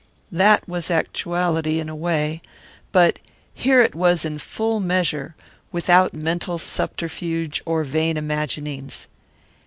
That was actuality, in a way. But here it was in full measure, without mental subterfuge or vain imaginings.